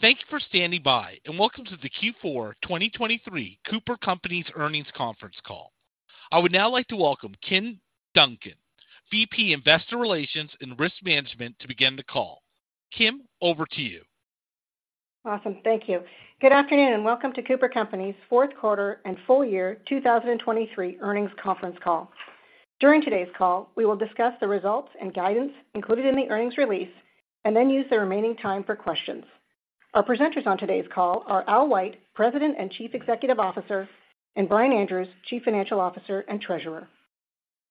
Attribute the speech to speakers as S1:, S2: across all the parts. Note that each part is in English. S1: Thank you for standing by, and welcome to the Q4 2023 CooperCompanies Earnings Conference Call. I would now like to welcome Kim Duncan, VP, Investor Relations and Risk Management, to begin the call. Kim, over to you.
S2: Awesome. Thank you. Good afternoon, and welcome to CooperCompanies Fourth Quarter and Full Year 2023 Earnings Conference Call. During today's call, we will discuss the results and guidance included in the earnings release and then use the remaining time for questions. Our presenters on today's call are Al White, President and Chief Executive Officer, and Brian Andrews, Chief Financial Officer and Treasurer.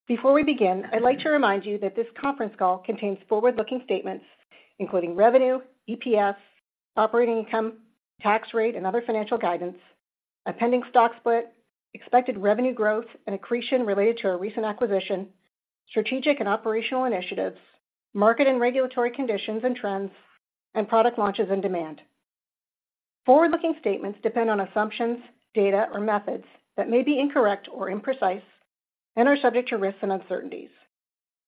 S2: Before we begin, I'd like to remind you that this conference call contains forward-looking statements, including revenue, EPS, operating income, tax rate, and other financial guidance, a pending stock split, expected revenue growth and accretion related to our recent acquisition, strategic and operational initiatives, market and regulatory conditions and trends, and product launches and demand. Forward-looking statements depend on assumptions, data, or methods that may be incorrect or imprecise and are subject to risks and uncertainties.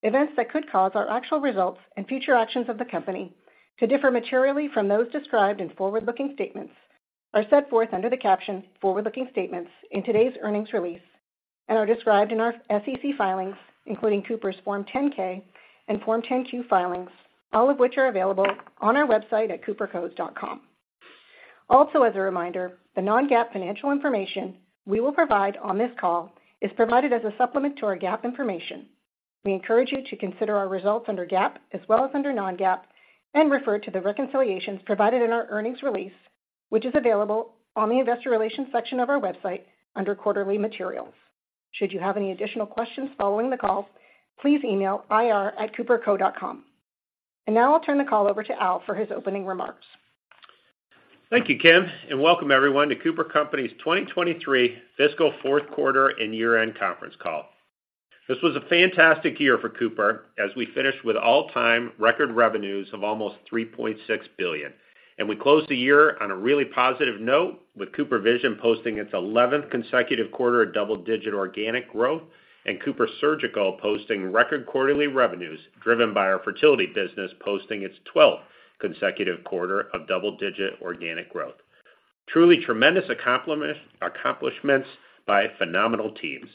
S2: Events that could cause our actual results and future actions of the company to differ materially from those described in forward-looking statements are set forth under the caption Forward-Looking Statements in today's earnings release and are described in our SEC filings, including Cooper's Form 10-K and Form 10-Q filings, all of which are available on our website at coopercos.com. Also, as a reminder, the non-GAAP financial information we will provide on this call is provided as a supplement to our GAAP information. We encourage you to consider our results under GAAP as well as under non-GAAP and refer to the reconciliations provided in our earnings release, which is available on the Investor Relations section of our website under Quarterly Materials. Should you have any additional questions following the call, please email ir@coopercos.com. Now I'll turn the call over to Al for his opening remarks.
S3: Thank you, Kim, and welcome everyone to CooperCompanies' 2023 fiscal fourth quarter and year-end conference call. This was a fantastic year for Cooper as we finished with all-time record revenues of almost $3.6 billion, and we closed the year on a really positive note, with CooperVision posting its 11th consecutive quarter of double-digit organic growth and CooperSurgical posting record quarterly revenues, driven by our fertility business, posting its 12th consecutive quarter of double-digit organic growth. Truly tremendous accomplishments by phenomenal teams.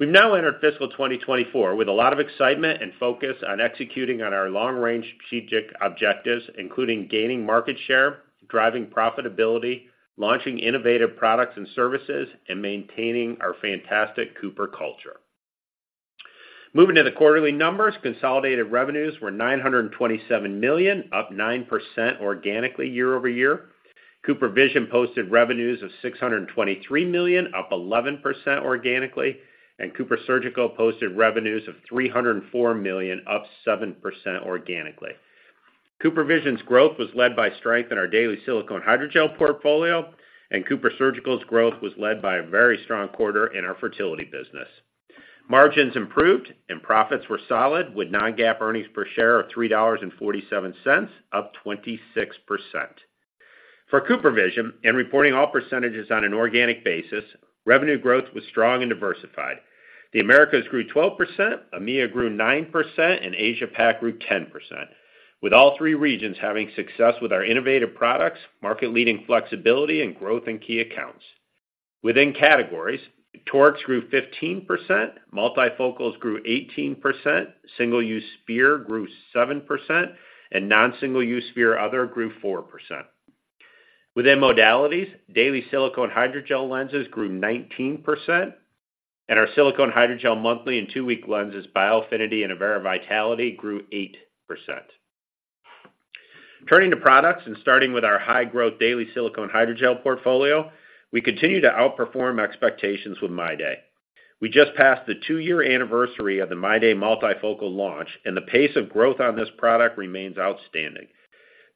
S3: We've now entered fiscal 2024 with a lot of excitement and focus on executing on our long-range strategic objectives, including gaining market share, driving profitability, launching innovative products and services, and maintaining our fantastic Cooper culture. Moving to the quarterly numbers, consolidated revenues were $927 million, up 9% organically year-over-year. CooperVision posted revenues of $623 million, up 11% organically, and CooperSurgical posted revenues of $304 million, up 7% organically. CooperVision's growth was led by strength in our daily silicone hydrogel portfolio, and CooperSurgical's growth was led by a very strong quarter in our fertility business. Margins improved and profits were solid, with non-GAAP earnings per share of $3.47, up 26%. For CooperVision, and reporting all percentages on an organic basis, revenue growth was strong and diversified. The Americas grew 12%, EMEA grew 9%, and Asia Pac grew 10%, with all three regions having success with our innovative products, market-leading flexibility, and growth in key accounts. Within categories, torics grew 15%, multifocals grew 18%, single-use sphere grew 7%, and non-single-use sphere, other grew 4%. Within modalities, daily silicone hydrogel lenses grew 19%, and our silicone hydrogel monthly and two-week lenses, Biofinity and Avaira Vitality, grew 8%. Turning to products and starting with our high-growth daily silicone hydrogel portfolio, we continue to outperform expectations with MyDay. We just passed the two-year anniversary of the MyDay multifocal launch, and the pace of growth on this product remains outstanding.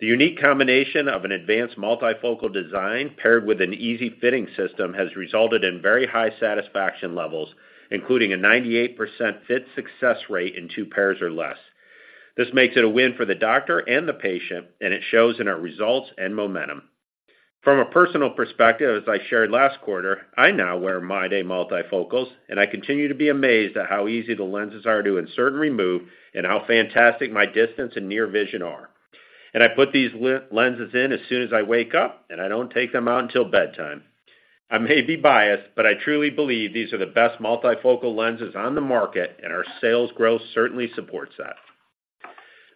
S3: The unique combination of an advanced multifocal design paired with an easy fitting system has resulted in very high satisfaction levels, including a 98% fit success rate in two pairs or less. This makes it a win for the doctor and the patient, and it shows in our results and momentum. From a personal perspective, as I shared last quarter, I now wear MyDay multifocals, and I continue to be amazed at how easy the lenses are to insert and remove and how fantastic my distance and near vision are. I put these lenses in as soon as I wake up, and I don't take them out until bedtime. I may be biased, but I truly believe these are the best multifocal lenses on the market, and our sales growth certainly supports that.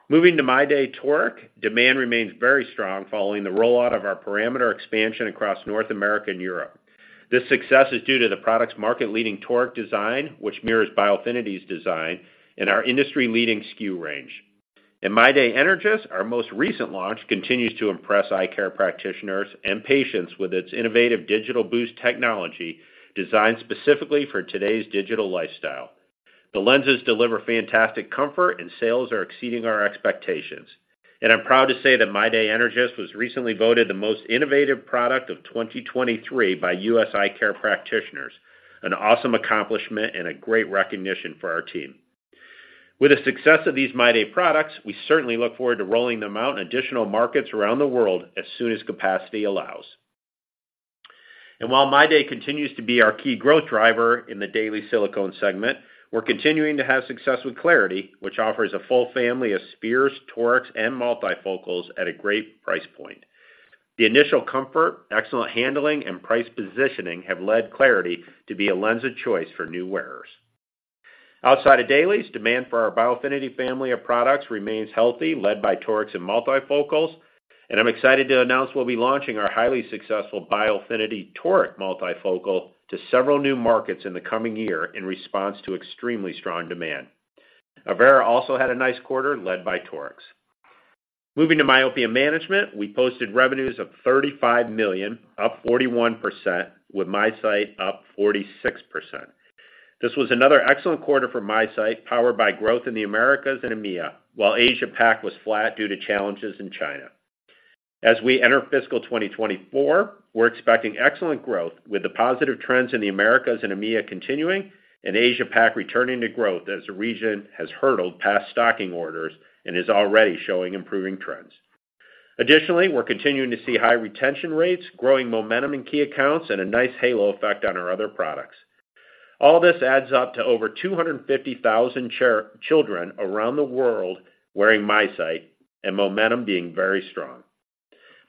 S3: Moving to MyDay toric, demand remains very strong following the rollout of our parameter expansion across North America and Europe. This success is due to the product's market-leading toric design, which mirrors Biofinity's design and our industry-leading SKU range. In MyDay Energys, our most recent launch continues to impress eye care practitioners and patients with its innovative DigitalBoost technology, designed specifically for today's digital lifestyle. The lenses deliver fantastic comfort, and sales are exceeding our expectations. I'm proud to say that MyDay Energys was recently voted the most innovative product of 2023 by U.S. eye care practitioners, an awesome accomplishment and a great recognition for our team. With the success of these MyDay products, we certainly look forward to rolling them out in additional markets around the world as soon as capacity allows.... While MyDay continues to be our key growth driver in the daily silicone segment, we're continuing to have success with clariti, which offers a full family of spheres, torics, and multifocals at a great price point. The initial comfort, excellent handling, and price positioning have led clariti to be a lens of choice for new wearers. Outside of dailies, demand for our Biofinity family of products remains healthy, led by torics and multifocals, and I'm excited to announce we'll be launching our highly successful Biofinity toric multifocal to several new markets in the coming year in response to extremely strong demand. Avaira also had a nice quarter, led by torics. Moving to myopia management, we posted revenues of $35 million, up 41%, with MiSight up 46%. This was another excellent quarter for MiSight, powered by growth in the Americas and EMEA, while Asia Pac was flat due to challenges in China. As we enter fiscal 2024, we're expecting excellent growth, with the positive trends in the Americas and EMEA continuing and Asia Pac returning to growth as the region has hurdled past stocking orders and is already showing improving trends. Additionally, we're continuing to see high retention rates, growing momentum in key accounts, and a nice halo effect on our other products. All this adds up to over 250,000 children around the world wearing MiSight and momentum being very strong.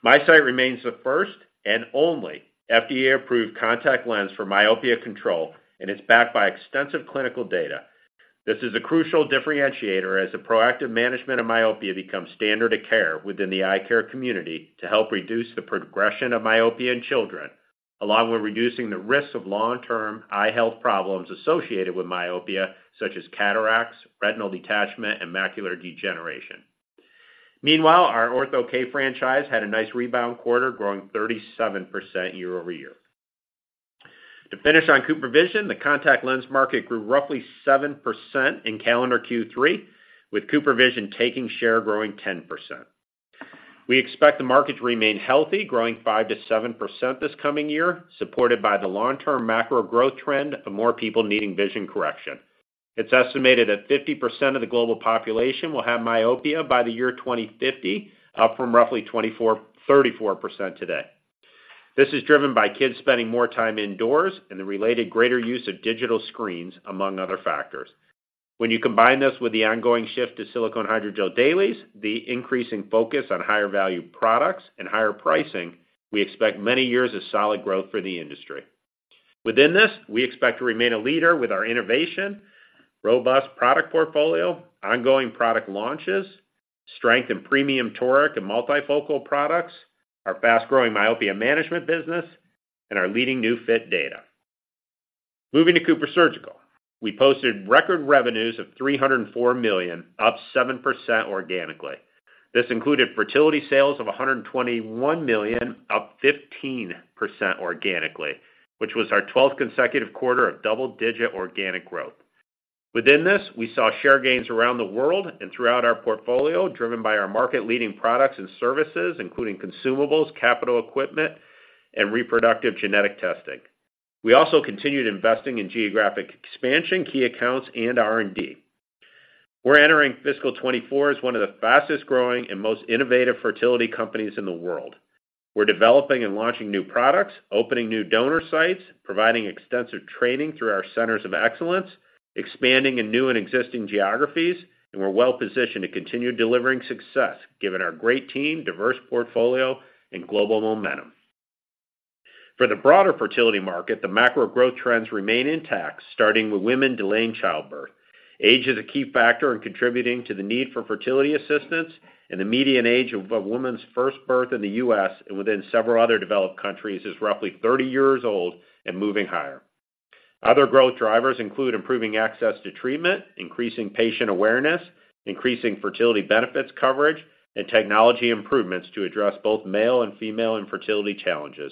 S3: MiSight remains the first and only FDA-approved contact lens for myopia control, and it's backed by extensive clinical data. This is a crucial differentiator as the proactive management of myopia becomes standard of care within the eye care community to help reduce the progression of myopia in children, along with reducing the risks of long-term eye health problems associated with myopia, such as cataracts, retinal detachment, and macular degeneration. Meanwhile, our Ortho-K franchise had a nice rebound quarter, growing 37% year-over-year. To finish on CooperVision, the contact lens market grew roughly 7% in calendar Q3, with CooperVision taking share, growing 10%. We expect the market to remain healthy, growing 5%-7% this coming year, supported by the long-term macro growth trend of more people needing vision correction. It's estimated that 50% of the global population will have myopia by the year 2050, up from roughly 24%-34% today. This is driven by kids spending more time indoors and the related greater use of digital screens, among other factors. When you combine this with the ongoing shift to silicone hydrogel dailies, the increasing focus on higher value products and higher pricing, we expect many years of solid growth for the industry. Within this, we expect to remain a leader with our innovation, robust product portfolio, ongoing product launches, strength in premium toric and multifocal products, our fast-growing myopia management business, and our leading new fit data. Moving to CooperSurgical. We posted record revenues of $304 million, up 7% organically. This included fertility sales of $121 million, up 15% organically, which was our 12th consecutive quarter of double-digit organic growth. Within this, we saw share gains around the world and throughout our portfolio, driven by our market-leading products and services, including consumables, capital equipment, and reproductive genetic testing. We also continued investing in geographic expansion, key accounts, and R&D. We're entering fiscal 2024 as one of the fastest-growing and most innovative fertility companies in the world. We're developing and launching new products, opening new donor sites, providing extensive training through our centers of excellence, expanding in new and existing geographies, and we're well positioned to continue delivering success, given our great team, diverse portfolio, and global momentum. For the broader fertility market, the macro growth trends remain intact, starting with women delaying childbirth. Age is a key factor in contributing to the need for fertility assistance, and the median age of a woman's first birth in the U.S. and within several other developed countries is roughly 30 years old and moving higher. Other growth drivers include improving access to treatment, increasing patient awareness, increasing fertility benefits coverage, and technology improvements to address both male and female infertility challenges.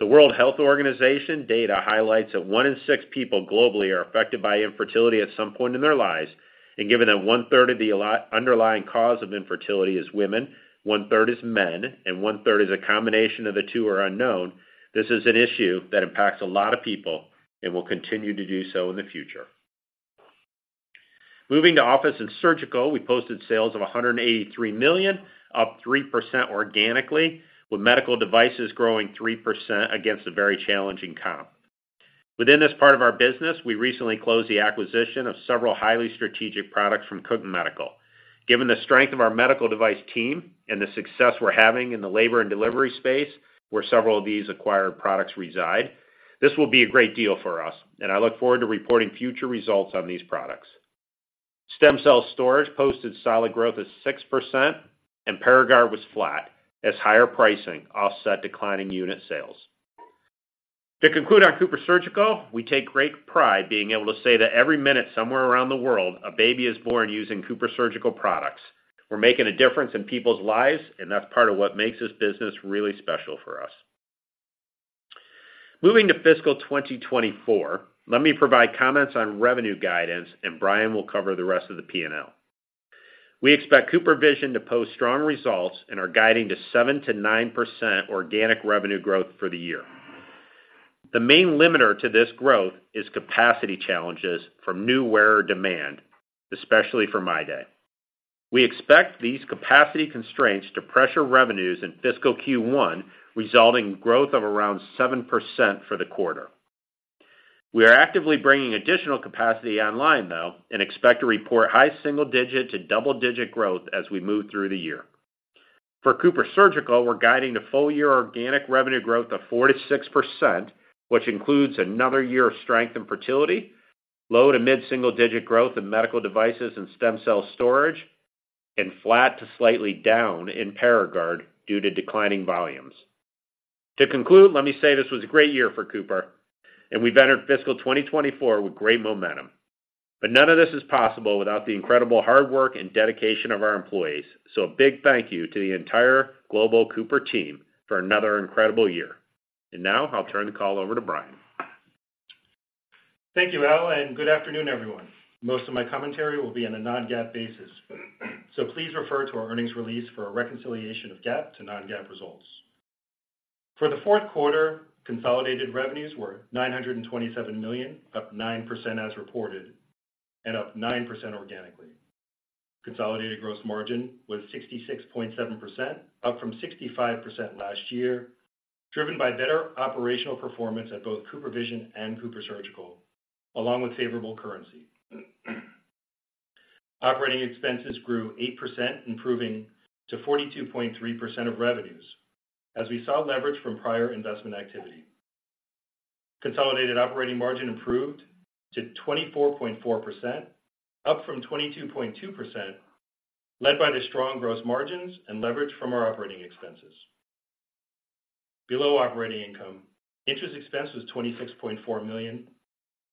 S3: The World Health Organization data highlights that one in six people globally are affected by infertility at some point in their lives, and given that one-third of the underlying cause of infertility is women, one-third is men, and one-third is a combination of the two or unknown, this is an issue that impacts a lot of people and will continue to do so in the future. Moving to office and surgical, we posted sales of $183 million, up 3% organically, with medical devices growing 3% against a very challenging comp. Within this part of our business, we recently closed the acquisition of several highly strategic products from Cook Medical. Given the strength of our medical device team and the success we're having in the labor and delivery space, where several of these acquired products reside, this will be a great deal for us, and I look forward to reporting future results on these products. Stem cell storage posted solid growth of 6%, and PARAGARD was flat as higher pricing offset declining unit sales. To conclude on CooperSurgical, we take great pride being able to say that every minute, somewhere around the world, a baby is born using CooperSurgical products. We're making a difference in people's lives, and that's part of what makes this business really special for us. Moving to fiscal 2024, let me provide comments on revenue guidance, and Brian will cover the rest of the P&L. We expect CooperVision to post strong results and are guiding to 7%-9% organic revenue growth for the year. The main limiter to this growth is capacity challenges from new wearer demand, especially for MyDay.... We expect these capacity constraints to pressure revenues in fiscal Q1, resulting in growth of around 7% for the quarter. We are actively bringing additional capacity online, though, and expect to report high single-digit to double-digit growth as we move through the year. For CooperSurgical, we're guiding the full year organic revenue growth of 4%-6%, which includes another year of strength and fertility, low- to mid-single-digit growth in medical devices and stem cell storage, and flat to slightly down in PARAGARD due to declining volumes. To conclude, let me say this was a great year for Cooper, and we've entered fiscal 2024 with great momentum. But none of this is possible without the incredible hard work and dedication of our employees. So a big thank you to the entire global Cooper team for another incredible year. And now I'll turn the call over to Brian.
S4: Thank you, Al, and good afternoon, everyone. Most of my commentary will be on a non-GAAP basis, so please refer to our earnings release for a reconciliation of GAAP to non-GAAP results. For the fourth quarter, consolidated revenues were $927 million, up 9% as reported and up 9% organically. Consolidated gross margin was 66.7%, up from 65% last year, driven by better operational performance at both CooperVision and CooperSurgical, along with favorable currency. Operating expenses grew 8%, improving to 42.3% of revenues as we saw leverage from prior investment activity. Consolidated operating margin improved to 24.4%, up from 22.2%, led by the strong gross margins and leverage from our operating expenses. Below operating income, interest expense was $26.4 million,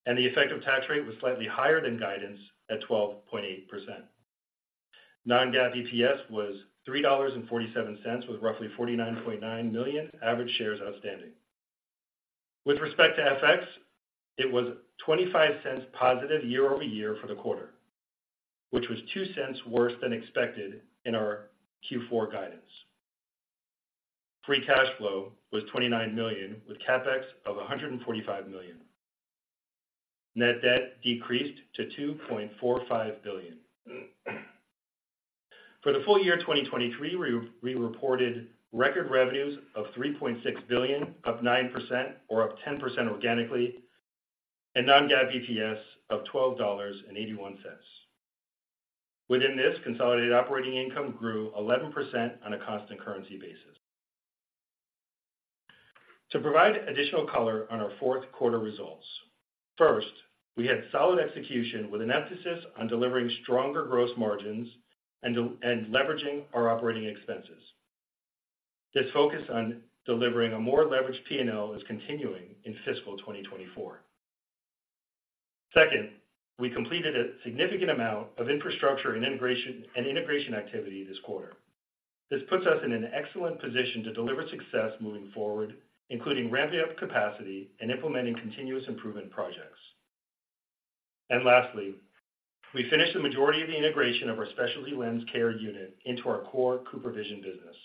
S4: and the effective tax rate was slightly higher than guidance at 12.8%. Non-GAAP EPS was $3.47, with roughly 49.9 million average shares outstanding. With respect to FX, it was $0.25 positive year-over-year for the quarter, which was $0.02 worse than expected in our Q4 guidance. Free cash flow was $29 million, with CapEx of $145 million. Net debt decreased to $2.45 billion. For the full year 2023, we reported record revenues of $3.6 billion, up 9% or up 10% organically, and non-GAAP EPS of $12.81. Within this, consolidated operating income grew 11% on a constant currency basis. To provide additional color on our fourth quarter results, first, we had solid execution with an emphasis on delivering stronger gross margins and deleveraging our operating expenses. This focus on delivering a more leveraged P&L is continuing in fiscal 2024. Second, we completed a significant amount of infrastructure and integration activity this quarter. This puts us in an excellent position to deliver success moving forward, including ramping up capacity and implementing continuous improvement projects. And lastly, we finished the majority of the integration of our Specialty Lens Care unit into our core CooperVision business.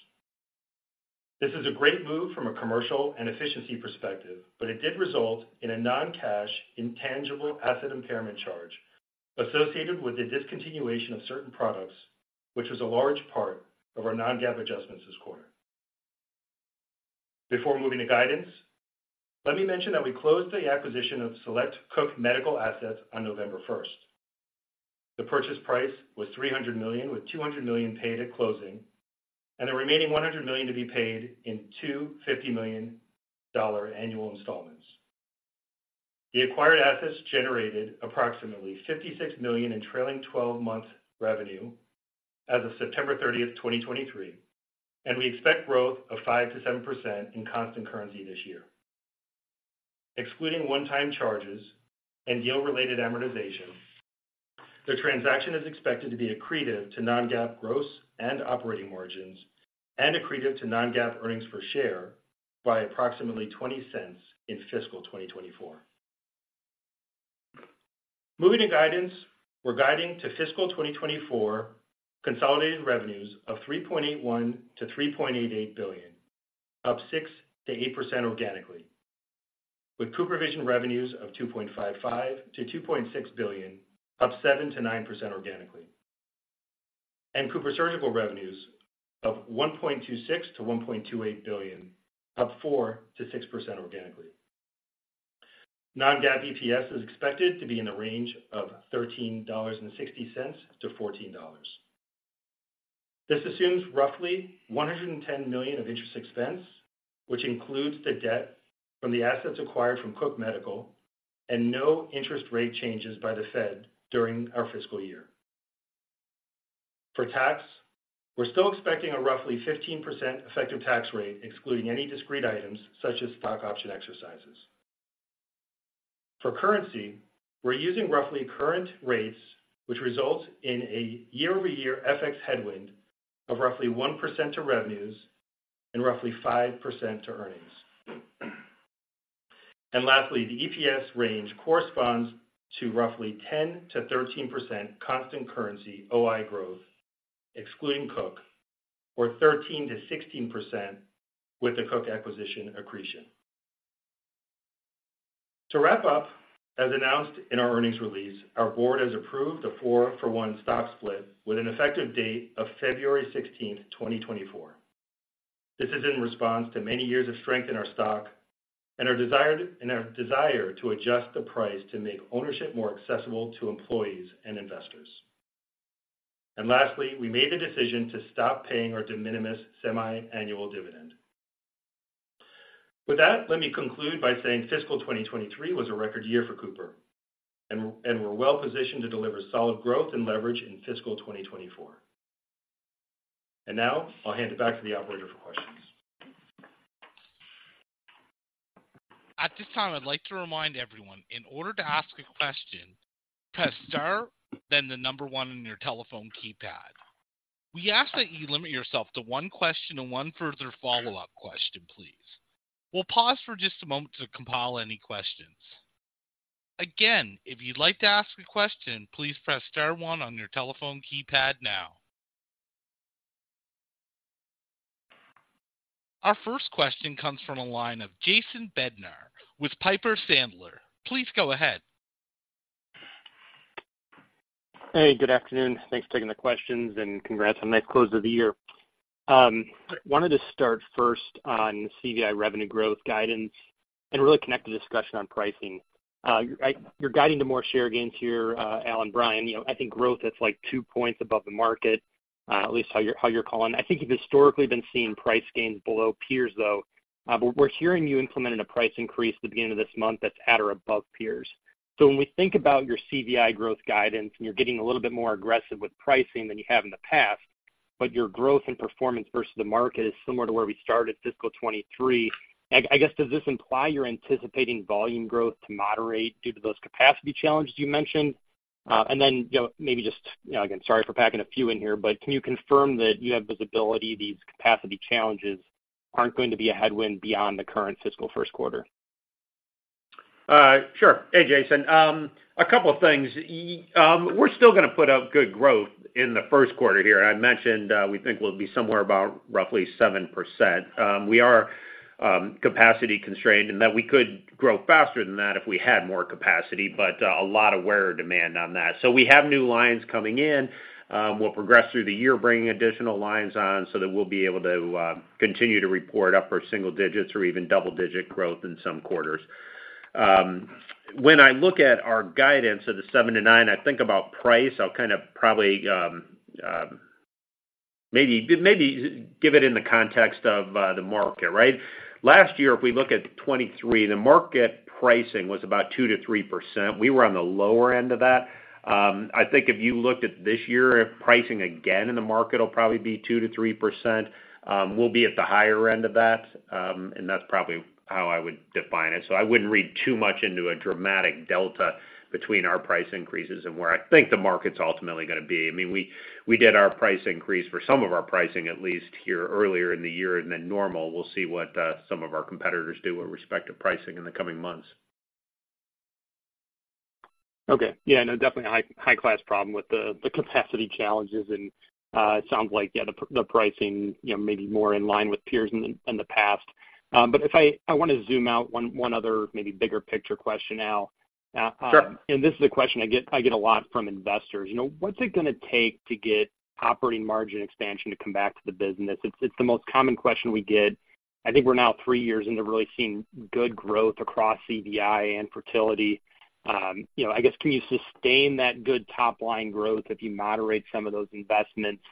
S4: This is a great move from a commercial and efficiency perspective, but it did result in a non-cash, intangible asset impairment charge associated with the discontinuation of certain products, which was a large part of our non-GAAP adjustments this quarter. Before moving to guidance, let me mention that we closed the acquisition of select Cook Medical assets on November 1st. The purchase price was $300 million, with $200 million paid at closing, and the remaining $100 million to be paid in two $50 million dollar annual installments. The acquired assets generated approximately $56 million in trailing twelve-month revenue as of September 30th, 2023, and we expect growth of 5%-7% in constant currency this year. Excluding one-time charges and deal-related amortization, the transaction is expected to be accretive to non-GAAP gross and operating margins, and accretive to non-GAAP earnings per share by approximately $0.20 in fiscal 2024. Moving to guidance, we're guiding to fiscal 2024 consolidated revenues of $3.81 billion-$3.88 billion, up 6%-8% organically, with CooperVision revenues of $2.55 billion-$2.6 billion, up 7%-9% organically, and CooperSurgical revenues of $1.26 billion-$1.28 billion, up 4%-6% organically. Non-GAAP EPS is expected to be in the range of $13.60-$14.00. This assumes roughly $110 million of interest expense, which includes the debt from the assets acquired from Cook Medical and no interest rate changes by the Fed during our fiscal year. For tax, we're still expecting a roughly 15% effective tax rate, excluding any discrete items such as stock option exercises. For currency, we're using roughly current rates, which result in a year-over-year FX headwind of roughly 1% to revenues and roughly 5% to earnings. And lastly, the EPS range corresponds to roughly 10%-13% constant currency OI growth, excluding Cook, or 13%-16% with the Cook acquisition accretion. To wrap up, as announced in our earnings release, our board has approved a 4-for-1 stock split with an effective date of February 16, 2024. This is in response to many years of strength in our stock and our desired, and our desire to adjust the price to make ownership more accessible to employees and investors. And lastly, we made the decision to stop paying our de minimis semi-annual dividend. With that, let me conclude by saying fiscal 2023 was a record year for Cooper, and we're well positioned to deliver solid growth and leverage in fiscal 2024. And now I'll hand it back to the operator for questions.
S1: At this time, I'd like to remind everyone, in order to ask a question, press star, then the number one on your telephone keypad. We ask that you limit yourself to one question and one further follow-up question, please. We'll pause for just a moment to compile any questions. Again, if you'd like to ask a question, please press star one on your telephone keypad now. Our first question comes from a line of Jason Bednar with Piper Sandler. Please go ahead.
S5: Hey, good afternoon. Thanks for taking the questions, and congrats on a nice close of the year. I wanted to start first on CVI revenue growth guidance and really connect the discussion on pricing. You're guiding to more share gains here, Al and Brian. You know, I think growth that's like two points above the market, at least how you're calling. I think you've historically been seeing price gains below peers, though. But we're hearing you implemented a price increase at the beginning of this month that's at or above peers. So when we think about your CVI growth guidance, and you're getting a little bit more aggressive with pricing than you have in the past, but your growth and performance versus the market is similar to where we started fiscal 2023. I guess, does this imply you're anticipating volume growth to moderate due to those capacity challenges you mentioned? And then, you know, maybe just, you know, again, sorry for packing a few in here, but can you confirm that you have visibility, these capacity challenges aren't going to be a headwind beyond the current fiscal first quarter?
S3: Sure. Hey, Jason. A couple of things. We're still gonna put out good growth in the first quarter here. I mentioned, we think we'll be somewhere about roughly 7%. We are capacity constrained, and that we could grow faster than that if we had more capacity, but a lot of wearer demand on that. So we have new lines coming in. We'll progress through the year, bringing additional lines on, so that we'll be able to continue to report upper single digits or even double-digit growth in some quarters. When I look at our guidance of the 7%-9%, I think about price. I'll kind of probably maybe, maybe give it in the context of the market, right? Last year, if we look at 2023, the market pricing was about 2%-3%. We were on the lower end of that. I think if you looked at this year, pricing again in the market will probably be 2%-3%. We'll be at the higher end of that, and that's probably how I would define it. So I wouldn't read too much into a dramatic delta between our price increases and where I think the market's ultimately gonna be. I mean, we, we did our price increase for some of our pricing, at least here earlier in the year than normal. We'll see what some of our competitors do with respect to pricing in the coming months.
S5: Okay. Yeah, no, definitely a high, high-class problem with the capacity challenges and it sounds like, yeah, the pricing, you know, maybe more in line with peers in the past. But if I want to zoom out one other maybe bigger picture question now.
S3: Sure.
S5: And this is a question I get, I get a lot from investors. You know, what's it gonna take to get operating margin expansion to come back to the business? It's, it's the most common question we get. I think we're now three years into really seeing good growth across CVI and fertility. You know, I guess, can you sustain that good top line growth if you moderate some of those investments?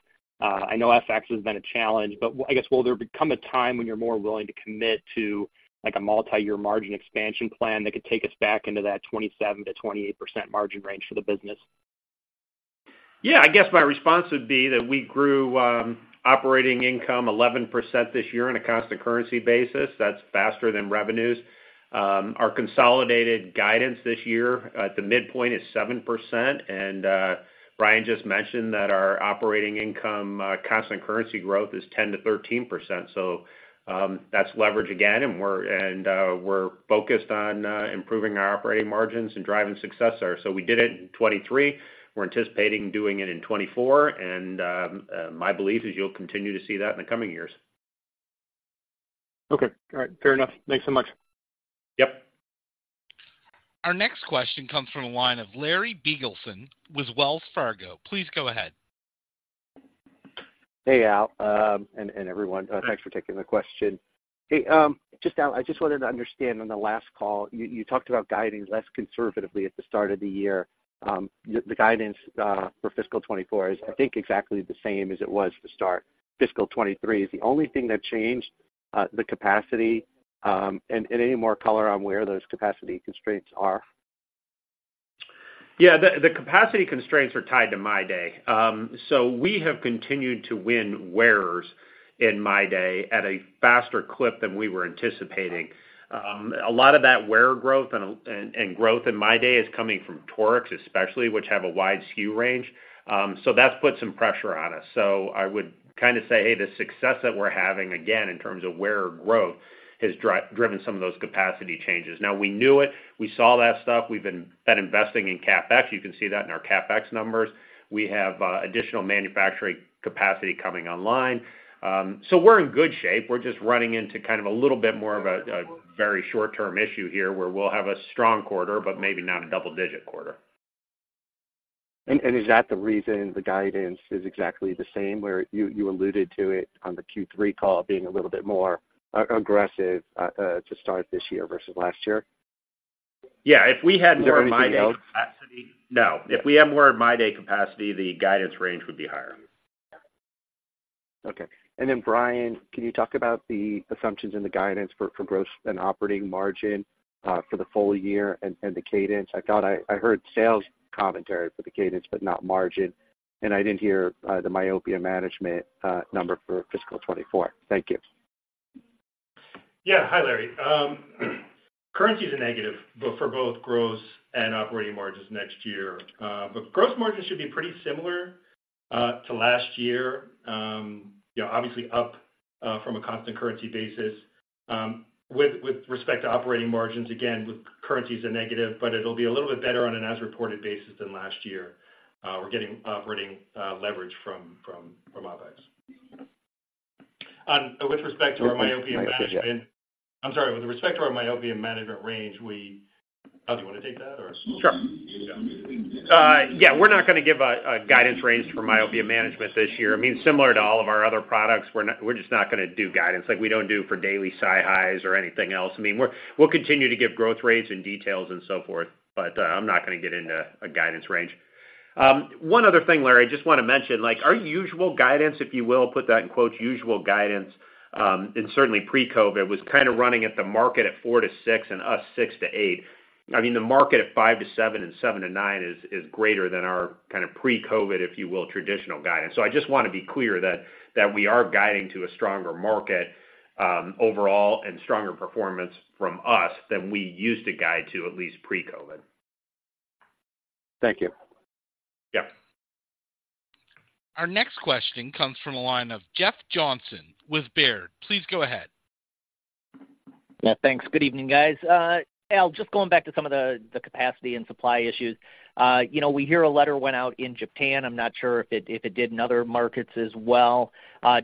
S5: I know FX has been a challenge, but I guess, will there become a time when you're more willing to commit to, like, a multi-year margin expansion plan that could take us back into that 27%-28% margin range for the business?
S3: Yeah, I guess my response would be that we grew operating income 11% this year on a constant currency basis. That's faster than revenues. Our consolidated guidance this year at the midpoint is 7%, and Brian just mentioned that our operating income constant currency growth is 10%-13%. So, that's leverage again, and we're focused on improving our operating margins and driving success there. So we did it in 2023. We're anticipating doing it in 2024, and my belief is you'll continue to see that in the coming years.
S5: Okay. All right, fair enough. Thanks so much.
S3: Yep.
S1: Our next question comes from a line of Larry Biegelsen with Wells Fargo. Please go ahead.
S6: Hey, Al, and everyone. Thanks for taking the question. Hey, just Al, I just wanted to understand, on the last call, you talked about guiding less conservatively at the start of the year. The guidance for fiscal 2024 is, I think, exactly the same as it was to start fiscal 2023. Is the only thing that changed the capacity, and any more color on where those capacity constraints are?
S3: Yeah, the capacity constraints are tied to MyDay. So we have continued to win wearers in MyDay at a faster clip than we were anticipating. A lot of that wearer growth and growth in MyDay is coming from toric, especially, which have a wide SKU range. So that's put some pressure on us. So I would kind of say, hey, the success that we're having, again, in terms of wearer growth, has driven some of those capacity changes. Now, we knew it. We saw that stuff. We've been investing in CapEx. You can see that in our CapEx numbers. We have additional manufacturing capacity coming online. So we're in good shape. We're just running into kind of a little bit more of a very short-term issue here, where we'll have a strong quarter, but maybe not a double-digit quarter.
S6: Is that the reason the guidance is exactly the same, where you alluded to it on the Q3 call being a little bit more aggressive to start this year versus last year?
S3: Yeah, if we had more MyDay capacity-
S6: Is there anything else?
S3: No. If we had more MyDay capacity, the guidance range would be higher.
S6: Okay. And then, Brian, can you talk about the assumptions in the guidance for, for gross and operating margin, for the full year and, and the cadence? I thought I, I heard sales commentary for the cadence, but not margin. And I didn't hear, the myopia management, number for fiscal 2024. Thank you.
S4: Yeah. Hi, Larry. Currency is a negative, but for both gross and operating margins next year. But gross margin should be pretty similar to last year. Yeah, obviously up from a constant currency basis. With respect to operating margins, again, currency is a negative, but it'll be a little bit better on an as-reported basis than last year. We're getting operating leverage from OpEx. With respect to our myopia management-
S6: Yeah.
S4: I'm sorry. With respect to our myopia management range, we... Al do you want to take that or?
S3: Sure.
S4: Yeah.
S3: Yeah, we're not going to give a guidance range for myopia management this year. I mean, similar to all of our other products, we're just not going to do guidance, like we don't do for daily SiHys or anything else. I mean, we'll continue to give growth rates and details and so forth, but I'm not going to get into a guidance range. One other thing, Larry, I just want to mention, like, our usual guidance, if you will, put that in quotes, "usual guidance," and certainly pre-COVID, was kind of running at the market at 4%-6% and us 6%-8%. I mean, the market at 5%-7% and 7%-9% is greater than our kind of pre-COVID, if you will, traditional guidance. I just want to be clear that, that we are guiding to a stronger market, overall, and stronger performance from us than we used to guide to at least pre-COVID.
S6: Thank you.
S3: Yeah.
S1: Our next question comes from the line of Jeff Johnson with Baird. Please go ahead.
S7: Yeah, thanks. Good evening, guys. Al, just going back to some of the capacity and supply issues. You know, we hear a letter went out in Japan. I'm not sure if it did in other markets as well,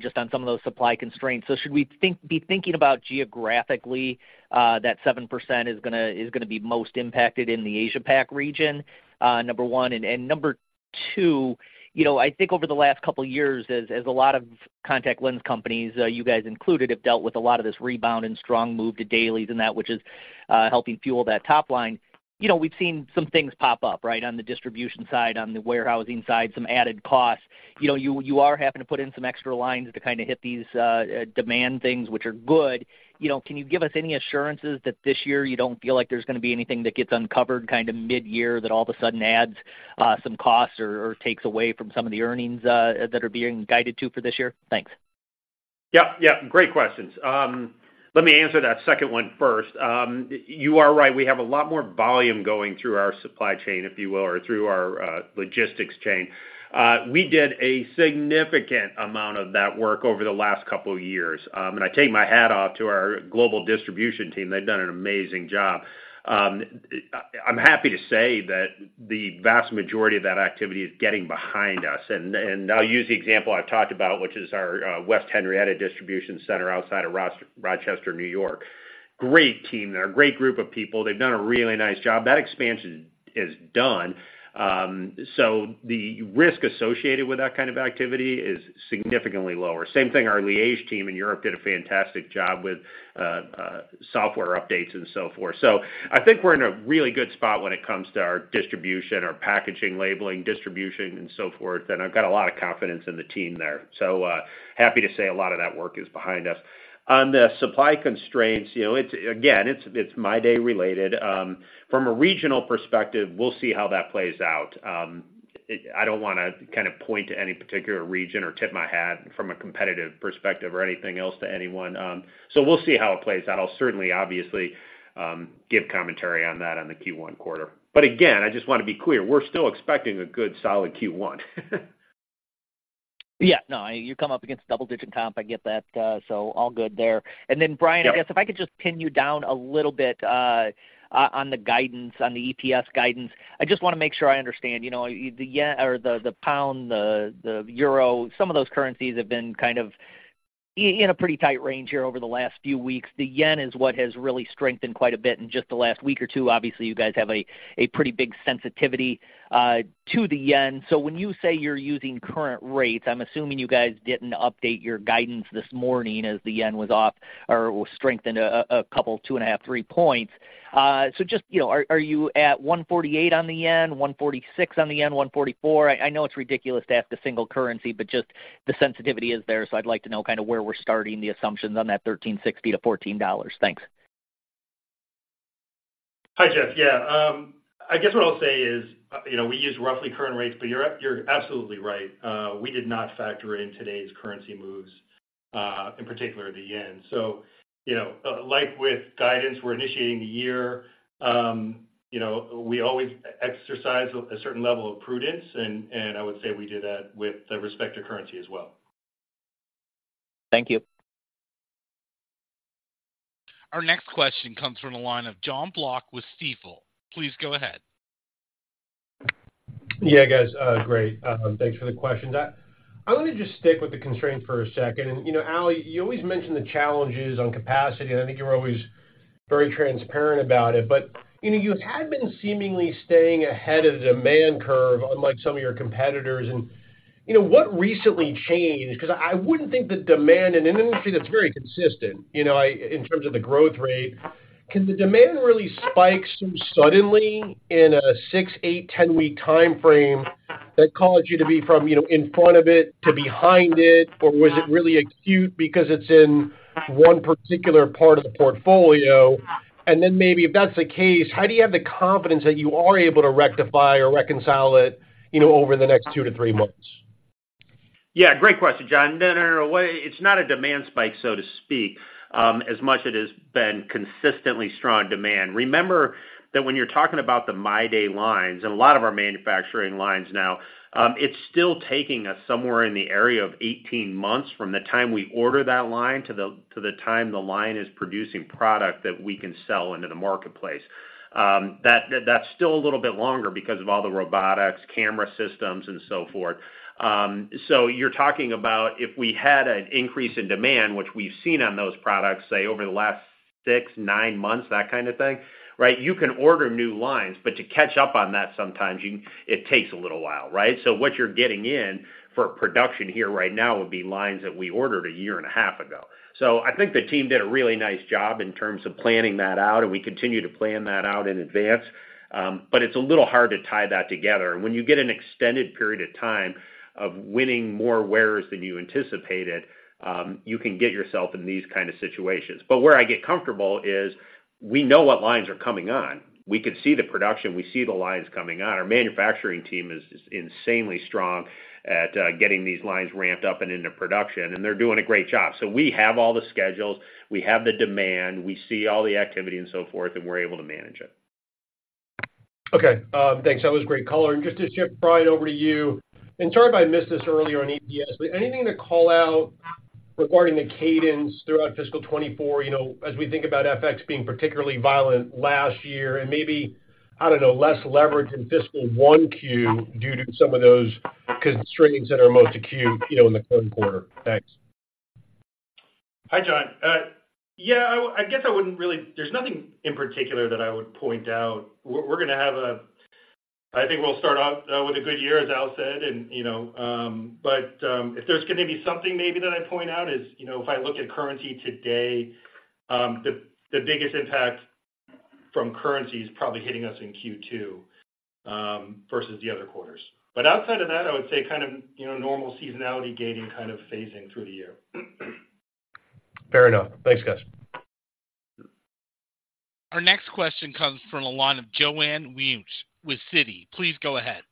S7: just on some of those supply constraints. So should we be thinking about geographically that 7% is gonna be most impacted in the Asia Pac region, number one? And number two, you know, I think over the last couple of years, as a lot of contact lens companies, you guys included, have dealt with a lot of this rebound and strong move to dailies and that, which is helping fuel that top line. You know, we've seen some things pop up, right? On the distribution side, on the warehousing side, some added costs. You know, you are having to put in some extra lines to kind of hit these demand things, which are good. You know, can you give us any assurances that this year you don't feel like there's going to be anything that gets uncovered kind of mid-year, that all of a sudden adds some costs or takes away from some of the earnings that are being guided to for this year? Thanks.
S3: Yeah, yeah. Great questions. Let me answer that second one first. You are right, we have a lot more volume going through our supply chain, if you will, or through our logistics chain. We did a significant amount of that work over the last couple of years. And I take my hat off to our global distribution team. They've done an amazing job. I'm happy to say that the vast majority of that activity is getting behind us. And I'll use the example I've talked about, which is our West Henrietta distribution center outside of Rochester, New York. Great team there, great group of people. They've done a really nice job. That expansion is done, so the risk associated with that kind of activity is significantly lower. Same thing, our Liège team in Europe did a fantastic job with software updates and so forth. So I think we're in a really good spot when it comes to our distribution, our packaging, labeling, distribution, and so forth, and I've got a lot of confidence in the team there. So happy to say a lot of that work is behind us. On the supply constraints, you know, it's again MyDay related. From a regional perspective, we'll see how that plays out. I don't want to kind of point to any particular region or tip my hat from a competitive perspective or anything else to anyone. So we'll see how it plays out. I'll certainly, obviously, give commentary on that on the Q1 quarter. But again, I just want to be clear, we're still expecting a good solid Q1.
S7: Yeah. No, you come up against double-digit comp. I get that, so all good there.
S3: Yeah.
S7: Then, Brian, I guess if I could just pin you down a little bit on the guidance, on the EPS guidance. I just want to make sure I understand, you know, the yen or the pound, the euro, some of those currencies have been kind of in a pretty tight range here over the last few weeks. The yen is what has really strengthened quite a bit in just the last week or two. Obviously, you guys have a pretty big sensitivity to the yen. So when you say you're using current rates, I'm assuming you guys didn't update your guidance this morning as the yen was off or strengthened a couple, 2.5, 3 points. So just, you know, are you at 148 on the yen, 146 on the yen, 144? I know it's ridiculous to ask the single currency, but just the sensitivity is there. So I'd like to know kind of where we're starting the assumptions on that $13.60-$14. Thanks.
S4: Hi, Jeff. Yeah, I guess what I'll say is, you know, we use roughly current rates, but you're absolutely right. We did not factor in today's currency moves, in particular the yen. So, you know, like with guidance, we're initiating the year, you know, we always exercise a certain level of prudence, and I would say we did that with respect to currency as well.
S7: Thank you.
S1: Our next question comes from the line of Jon Block with Stifel. Please go ahead.
S8: Yeah, guys, great. Thanks for the question. I want to just stick with the constraint for a second. You know, Al, you always mention the challenges on capacity, and I think you're always very transparent about it. But, you know, you had been seemingly staying ahead of the demand curve, unlike some of your competitors. And, you know, what recently changed? Because I wouldn't think that demand in an industry that's very consistent, you know, in terms of the growth rate, can the demand really spike so suddenly in a six, eight, 10-week time frame that caused you to be from, you know, in front of it to behind it? Or was it really acute because it's in one particular part of the portfolio? And then maybe if that's the case, how do you have the confidence that you are able to rectify or reconcile it, you know, over the next two to three months?
S3: Yeah, great question, Jon. No, no, no, it's not a demand spike, so to speak, as much as it has been consistently strong demand. Remember that when you're talking about the MyDay lines and a lot of our manufacturing lines now, it's still taking us somewhere in the area of 18 months from the time we order that line to the time the line is producing product that we can sell into the marketplace. That's still a little bit longer because of all the robotics, camera systems, and so forth. So you're talking about if we had an increase in demand, which we've seen on those products, say, over the last six to nine months, that kind of thing, right? You can order new lines, but to catch up on that, sometimes you, it takes a little while, right? So what you're getting in for production here right now would be lines that we ordered a year and a half ago. So I think the team did a really nice job in terms of planning that out, and we continue to plan that out in advance. But it's a little hard to tie that together. When you get an extended period of time of winning more wearers than you anticipated, you can get yourself in these kind of situations. But where I get comfortable is we know what lines are coming on. We can see the production, we see the lines coming on. Our manufacturing team is insanely strong at getting these lines ramped up and into production, and they're doing a great job. So we have all the schedules, we have the demand, we see all the activity and so forth, and we're able to manage it.
S8: Okay, thanks. That was great color. And just to shift Brian, over to you, and sorry if I missed this earlier on EPS, but anything to call out regarding the cadence throughout fiscal 2024, you know, as we think about FX being particularly violent last year and maybe, I don't know, less leverage in fiscal 1Q due to some of those constraints that are most acute, you know, in the current quarter? Thanks.
S4: Hi, Jon. Yeah, I guess I wouldn't really—there's nothing in particular that I would point out. We're gonna have a—I think we'll start off with a good year, as Al said, and, you know, but if there's gonna be something maybe that I'd point out is, you know, if I look at currency today, the biggest impact from currency is probably hitting us in Q2 versus the other quarters. But outside of that, I would say kind of, you know, normal seasonality gating kind of phasing through the year.
S8: Fair enough. Thanks, guys.
S1: Our next question comes from the line of Joanne Wu with Citi. Please go ahead.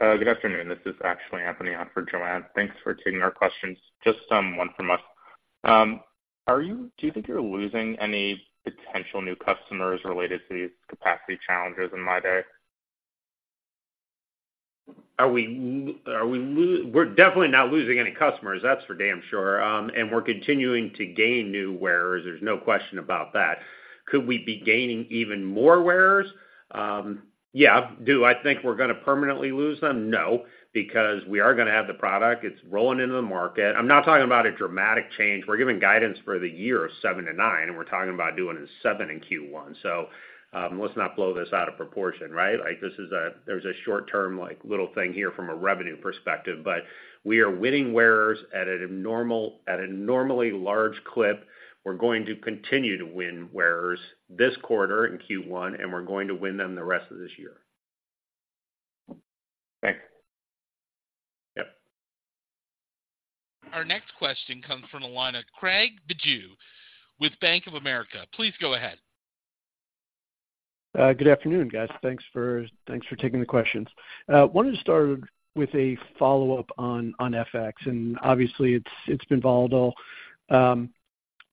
S9: Good afternoon. This is actually Anthony on for Joanne. Thanks for taking our questions. Just, one from us. Do you think you're losing any potential new customers related to these capacity challenges in MyDay?
S3: Are we losing any customers? We're definitely not, that's for damn sure. And we're continuing to gain new wearers, there's no question about that. Could we be gaining even more wearers? Yeah. Do I think we're gonna permanently lose them? No, because we are gonna have the product. It's rolling into the market. I'm not talking about a dramatic change. We're giving guidance for the year of 7%-9%, and we're talking about doing a 7% in Q1. So, let's not blow this out of proportion, right? Like, this is a, there's a short-term, like, little thing here from a revenue perspective, but we are winning wearers at a normal-- at a normally large clip. We're going to continue to win wearers this quarter in Q1, and we're going to win them the rest of this year.
S9: Thanks.
S3: Yep.
S1: Our next question comes from the line of Craig Bijou with Bank of America. Please go ahead.
S10: Good afternoon, guys. Thanks for taking the questions. Wanted to start with a follow-up on FX, and obviously, it's been volatile.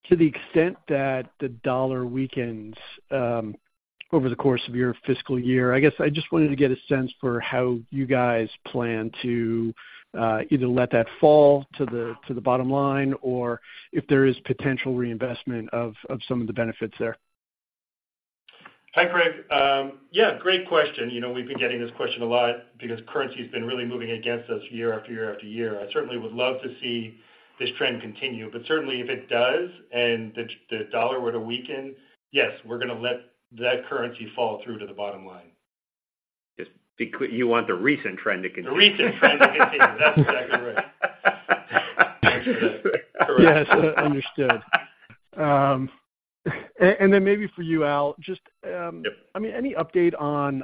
S10: To the extent that the dollar weakens over the course of your fiscal year, I guess I just wanted to get a sense for how you guys plan to either let that fall to the bottom line or if there is potential reinvestment of some of the benefits there.
S4: Hi, Craig. Yeah, great question. You know, we've been getting this question a lot because currency's been really moving against us year after year after year. I certainly would love to see this trend continue, but certainly, if it does and the dollar were to weaken, yes, we're gonna let that currency fall through to the bottom line.
S3: You want the recent trend to continue.
S4: The recent trend to continue. That's exactly right.
S10: Yes, understood. And then maybe for you, Al, just,
S3: Yep.
S10: I mean, any update on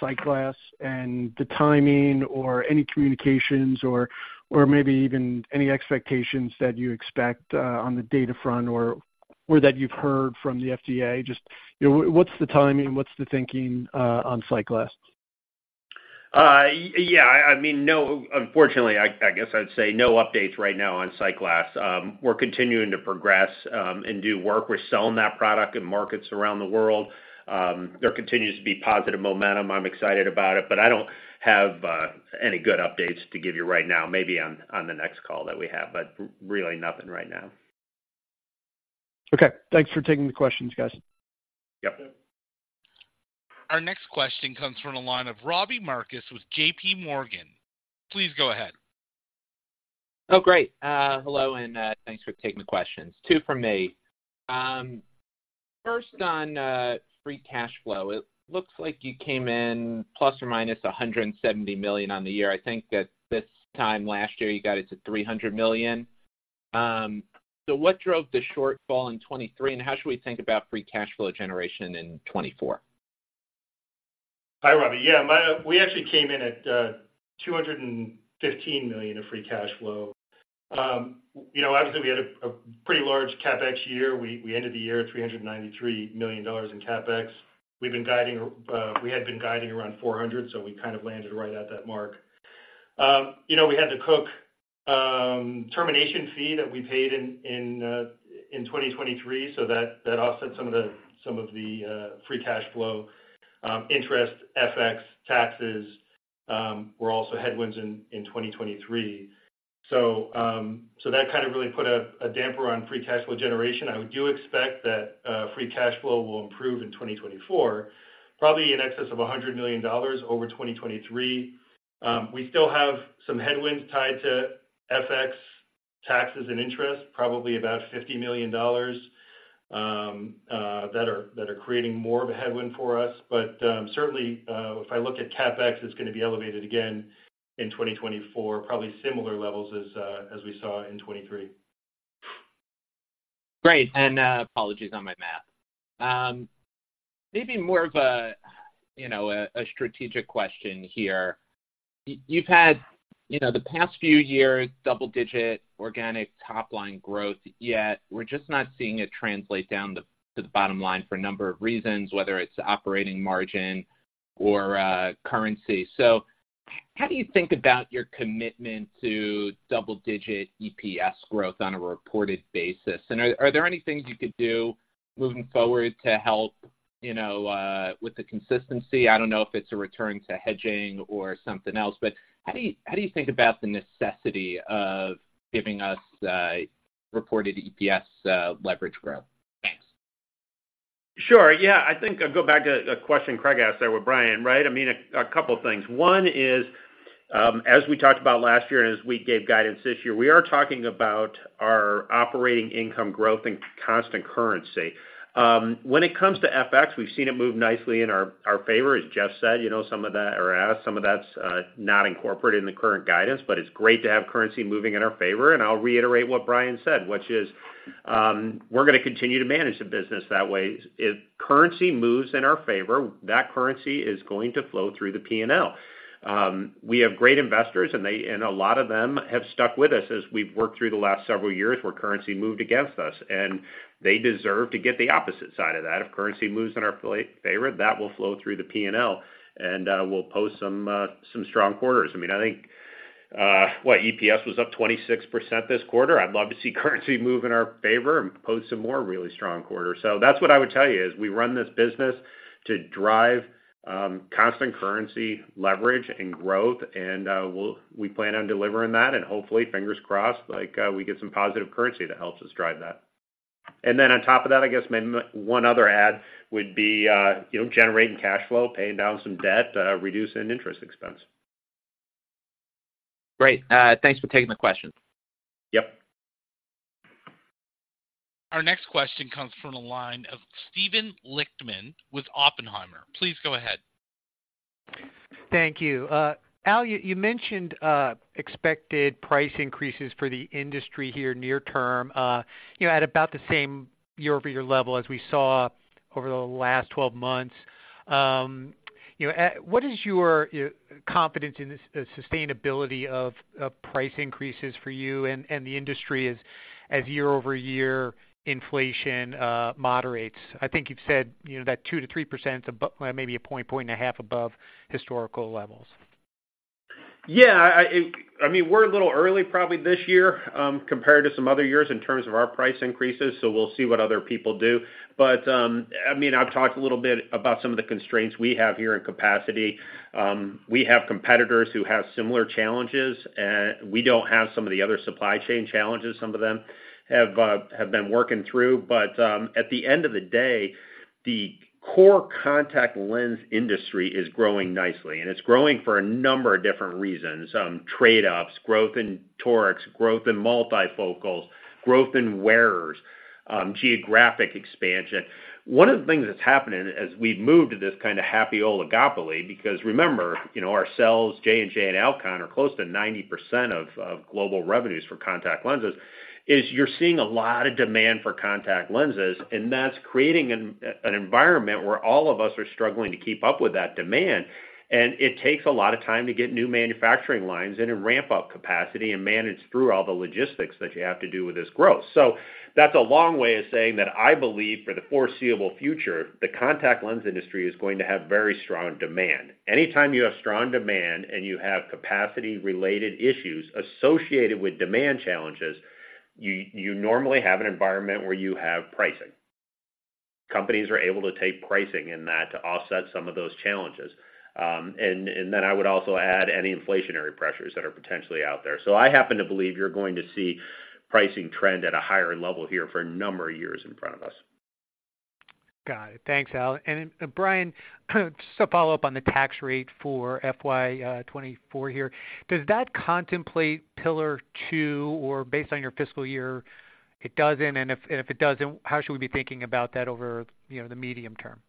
S10: SightGlass and the timing or any communications or maybe even any expectations that you expect on the data front or that you've heard from the FDA? Just, you know, what's the timing? What's the thinking on SightGlass?
S3: Yeah, I mean, no—unfortunately, I guess I'd say no updates right now on SightGlass. We're continuing to progress and do work. We're selling that product in markets around the world. There continues to be positive momentum. I'm excited about it, but I don't have any good updates to give you right now. Maybe on the next call that we have, but really nothing right now.
S10: Okay, thanks for taking the questions, guys.
S3: Yep.
S1: Our next question comes from the line of Robbie Marcus with JP Morgan. Please go ahead.
S11: Oh, great. Hello, and thanks for taking the questions. Two from me. First, on free cash flow, it looks like you came in plus or minus $170 million on the year. I think that this time last year, you got it to $300 million. So what drove the shortfall in 2023, and how should we think about free cash flow generation in 2024?
S3: Hi, Robbie. Yeah, we actually came in at $215 million of free cash flow. You know, obviously, we had a pretty large CapEx year. We ended the year at $393 million in CapEx. We've been guiding, we had been guiding around $400 million, so we kind of landed right at that mark. You know, we had the Cook termination fee that we paid in 2023, so that offset some of the free cash flow. Interest, FX, taxes were also headwinds in 2023. So, that kind of really put a damper on free cash flow generation. I do expect that free cash flow will improve in 2024, probably in excess of $100 million over 2023. We still have some headwinds tied to FX, taxes, and interest, probably about $50 million, that are creating more of a headwind for us. But, certainly, if I look at CapEx, it's gonna be elevated again in 2024, probably similar levels as we saw in 2023.
S11: Great. And, apologies on my math. Maybe more of a, you know, a strategic question here. You've had, you know, the past few years, double-digit organic top-line growth, yet we're just not seeing it translate down to the bottom line for a number of reasons, whether it's operating margin or, currency. So how do you think about your commitment to double-digit EPS growth on a reported basis? And are there any things you could do moving forward to help, you know, with the consistency? I don't know if it's a return to hedging or something else, but how do you think about the necessity of giving us, reported EPS, leverage growth? Thanks.
S3: Sure. Yeah, I think I'd go back to a question Craig asked there with Brian, right? I mean, a couple things. One is, as we talked about last year, and as we gave guidance this year, we are talking about our operating income growth and constant currency. When it comes to FX, we've seen it move nicely in our favor, as Jeff said. You know, some of that or as some of that's not incorporated in the current guidance, but it's great to have currency moving in our favor. And I'll reiterate what Brian said, which is, we're gonna continue to manage the business that way. If currency moves in our favor, that currency is going to flow through the P&L. We have great investors, and they, and a lot of them have stuck with us as we've worked through the last several years, where currency moved against us, and they deserve to get the opposite side of that. If currency moves in our favor, that will flow through the P&L, and we'll post some strong quarters. I mean, I think, what? EPS was up 26% this quarter. I'd love to see currency move in our favor and post some more really strong quarters. So that's what I would tell you, is we run this business to drive constant currency leverage and growth, and we'll plan on delivering that. And hopefully, fingers crossed, like, we get some positive currency that helps us drive that. On top of that, I guess maybe one other add would be, you know, generating cash flow, paying down some debt, reducing interest expense.
S11: Great. Thanks for taking the question.
S3: Yep.
S1: Our next question comes from the line of Steven Lichtman with Oppenheimer. Please go ahead.
S12: Thank you. Al, you mentioned expected price increases for the industry here near term, you know, at about the same year-over-year level as we saw over the last 12 months. You know, what is your confidence in the sustainability of price increases for you and the industry as year-over-year inflation moderates? I think you've said, you know, that 2%-3% above, maybe a point and a half above historical levels.
S3: Yeah, I mean, we're a little early probably this year compared to some other years in terms of our price increases, so we'll see what other people do. But, I mean, I've talked a little bit about some of the constraints we have here in capacity. We have competitors who have similar challenges. We don't have some of the other supply chain challenges some of them have been working through. But, at the end of the day, the core contact lens industry is growing nicely, and it's growing for a number of different reasons. Trade-ups, growth in torics, growth in multifocals, growth in wearers, geographic expansion. One of the things that's happening as we've moved to this kind of happy oligopoly, because remember, you know, our sales, J&J and Alcon, are close to 90% of global revenues for contact lenses, is you're seeing a lot of demand for contact lenses, and that's creating an environment where all of us are struggling to keep up with that demand. It takes a lot of time to get new manufacturing lines and to ramp up capacity and manage through all the logistics that you have to do with this growth. That's a long way of saying that I believe for the foreseeable future, the contact lens industry is going to have very strong demand. Anytime you have strong demand, and you have capacity-related issues associated with demand challenges, you normally have an environment where you have price increases.... Companies are able to take pricing in that to offset some of those challenges. And then I would also add any inflationary pressures that are potentially out there. So I happen to believe you're going to see pricing trend at a higher level here for a number of years in front of us.
S13: Got it. Thanks, Al. And, Brian, just to follow up on the tax rate for FY 2024 here, does that contemplate Pillar 2, or based on your fiscal year, it doesn't? And if, and if it doesn't, how should we be thinking about that over, you know, the medium term?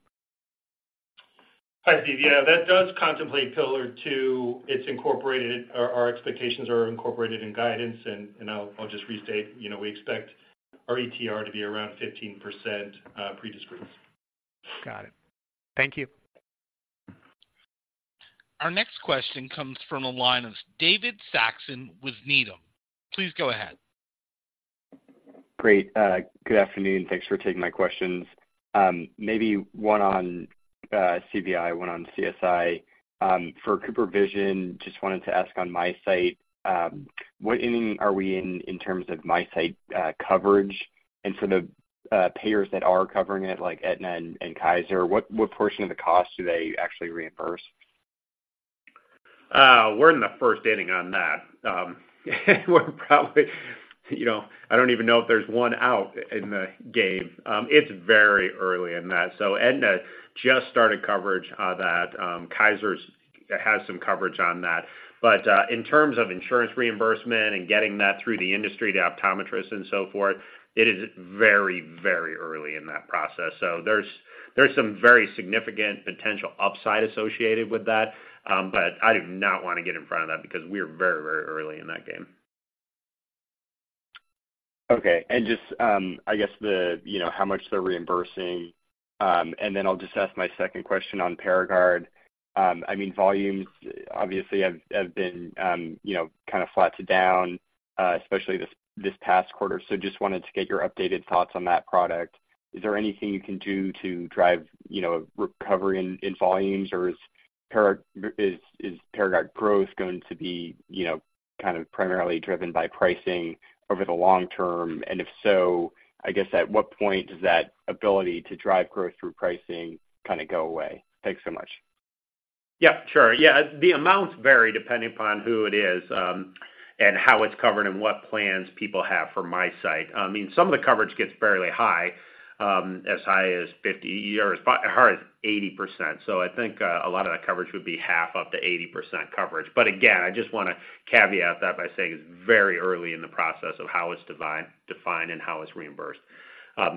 S4: Hi, Steve. Yeah, that does contemplate Pillar 2. It's incorporated. Our expectations are incorporated in guidance, and I'll just restate, you know, we expect our ETR to be around 15%, pre-discrete.
S13: Got it. Thank you.
S1: Our next question comes from the line of David Saxon with Needham. Please go ahead.
S14: Great, good afternoon. Thanks for taking my questions. Maybe one on, CVI, one on CSI. For CooperVision, just wanted to ask on MiSight, what inning are we in, in terms of MiSight, coverage? And for the, payers that are covering it, like Aetna and, and Kaiser, what, what portion of the cost do they actually reimburse?
S3: We're in the first inning on that. We're probably, you know, I don't even know if there's one out in the game. It's very early in that. So Aetna just started coverage on that. Kaiser's has some coverage on that. But, in terms of insurance reimbursement and getting that through the industry to optometrists and so forth, it is very, very early in that process. So there's, there's some very significant potential upside associated with that, but I do not wanna get in front of that because we're very, very early in that game.
S14: Okay. And just, I guess the, you know, how much they're reimbursing, and then I'll just ask my second question on PARAGARD. I mean, volumes obviously have been, you know, kind of flat to down, especially this past quarter. So just wanted to get your updated thoughts on that product. Is there anything you can do to drive, you know, recovery in volumes, or is PARAGARD growth going to be, you know, kind of primarily driven by pricing over the long term? And if so, I guess at what point does that ability to drive growth through pricing kind of go away? Thanks so much.
S3: Yeah, sure. Yeah, the amounts vary depending upon who it is, and how it's covered and what plans people have for MiSight. I mean, some of the coverage gets fairly high, as high as 50% or as high as 80%. So I think, a lot of the coverage would be 50% up to 80% coverage. But again, I just wanna caveat that by saying it's very early in the process of how it's defined and how it's reimbursed.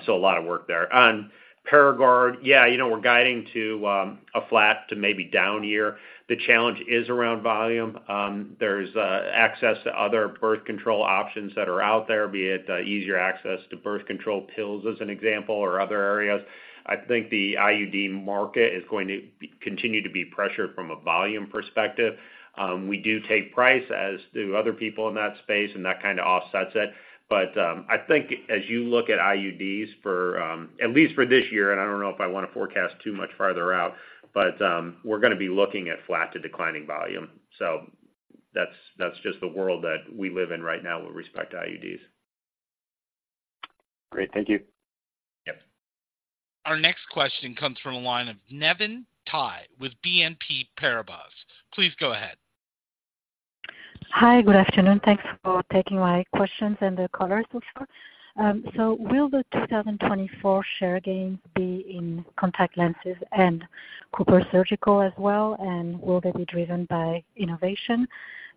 S3: So a lot of work there. On PARAGARD, yeah, you know, we're guiding to, a flat to maybe down year. The challenge is around volume. There's, access to other birth control options that are out there, be it, easier access to birth control pills, as an example, or other areas. I think the IUD market is going to continue to be pressured from a volume perspective. We do take price, as do other people in that space, and that kind of offsets it. But I think as you look at IUDs for at least for this year, and I don't know if I want to forecast too much farther out, but we're gonna be looking at flat to declining volume. So that's just the world that we live in right now with respect to IUDs.
S14: Great. Thank you.
S3: Yep.
S1: Our next question comes from the line of Navann Ty with BNP Paribas. Please go ahead.
S15: Hi, good afternoon. Thanks for taking my questions and the color so far. So will the 2024 share gains be in contact lenses and CooperSurgical as well, and will they be driven by innovation?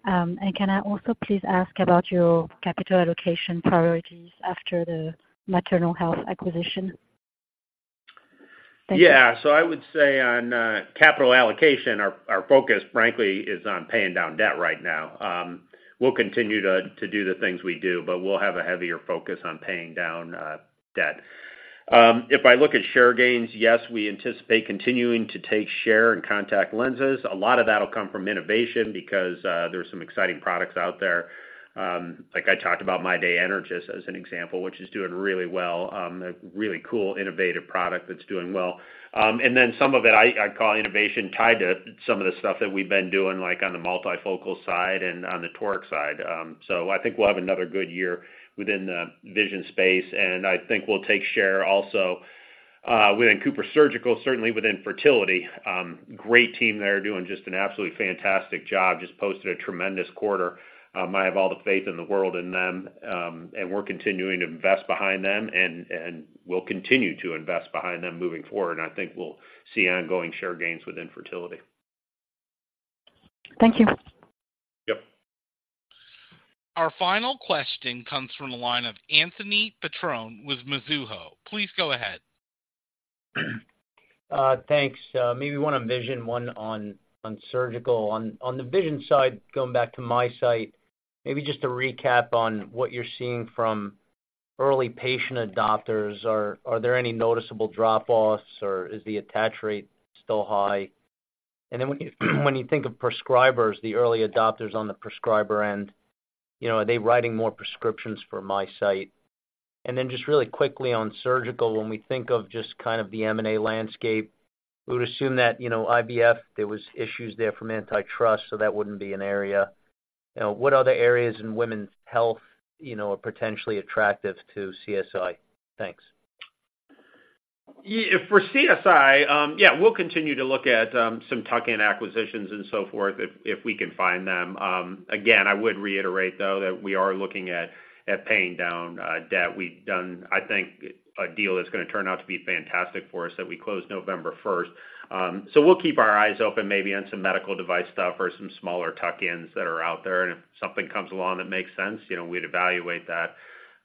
S15: And can I also please ask about your capital allocation priorities after the maternal health acquisition?
S3: Yeah. So I would say on capital allocation, our focus, frankly, is on paying down debt right now. We'll continue to do the things we do, but we'll have a heavier focus on paying down debt. If I look at share gains, yes, we anticipate continuing to take share in contact lenses. A lot of that will come from innovation because there are some exciting products out there. Like I talked about MyDay Energys as an example, which is doing really well. A really cool, innovative product that's doing well. And then some of it, I call innovation tied to some of the stuff that we've been doing, like on the multifocal side and on the toric side. So I think we'll have another good year within the vision space, and I think we'll take share also within CooperSurgical, certainly within fertility. Great team there, doing just an absolutely fantastic job. Just posted a tremendous quarter. I have all the faith in the world in them, and we're continuing to invest behind them, and we'll continue to invest behind them moving forward. I think we'll see ongoing share gains within fertility.
S15: Thank you.
S3: Yep.
S1: Our final question comes from the line of Anthony Petrone with Mizuho. Please go ahead.
S16: Thanks. Maybe one on Vision, one on Surgical. On the Vision side, going back to MiSight, maybe just to recap on what you're seeing from early patient adopters. Are there any noticeable drop-offs, or is the attach rate still high? And then when you think of prescribers, the early adopters on the prescriber end, you know, are they writing more prescriptions for MiSight? And then just really quickly on Surgical, when we think of just kind of the M&A landscape... We would assume that, you know, IVF, there was issues there from antitrust, so that wouldn't be an area. Now, what other areas in women's health, you know, are potentially attractive to CSI? Thanks.
S3: Yeah, for CSI, yeah, we'll continue to look at some tuck-in acquisitions and so forth, if we can find them. Again, I would reiterate, though, that we are looking at paying down debt. We've done, I think, a deal that's gonna turn out to be fantastic for us, that we closed November 1st. So we'll keep our eyes open, maybe on some medical device stuff or some smaller tuck-ins that are out there, and if something comes along that makes sense, you know, we'd evaluate that.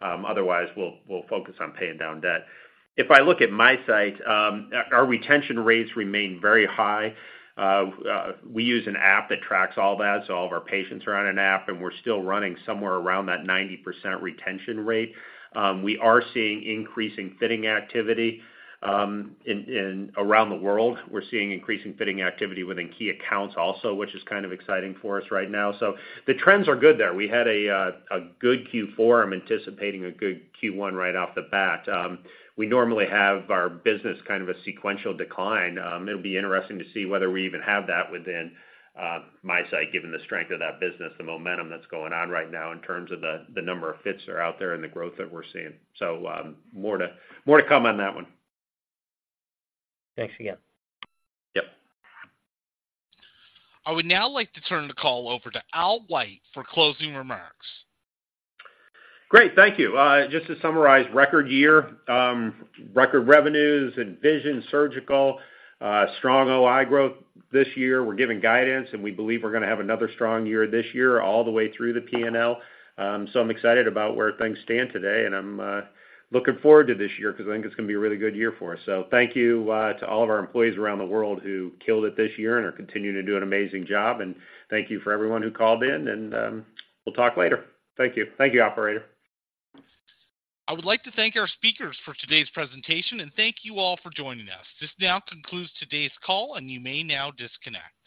S3: Otherwise, we'll focus on paying down debt. If I look at MiSight, our retention rates remain very high. We use an app that tracks all that, so all of our patients are on an app, and we're still running somewhere around that 90% retention rate. We are seeing increasing fitting activity in and around the world. We're seeing increasing fitting activity within key accounts also, which is kind of exciting for us right now. So the trends are good there. We had a good Q4. I'm anticipating a good Q1 right off the bat. We normally have our business kind of a sequential decline. It'll be interesting to see whether we even have that within MiSight, given the strength of that business, the momentum that's going on right now in terms of the number of fits that are out there and the growth that we're seeing. So, more to come on that one.
S16: Thanks again.
S3: Yep.
S1: I would now like to turn the call over to Al White for closing remarks.
S3: Great, thank you. Just to summarize, record year, record revenues and Vision and Surgical, strong OI growth this year. We're giving guidance, and we believe we're gonna have another strong year this year, all the way through the P&L. So I'm excited about where things stand today, and I'm looking forward to this year because I think it's gonna be a really good year for us. So thank you to all of our employees around the world who killed it this year and are continuing to do an amazing job. And thank you for everyone who called in, and we'll talk later. Thank you. Thank you, operator.
S1: I would like to thank our speakers for today's presentation, and thank you all for joining us. This now concludes today's call, and you may now disconnect.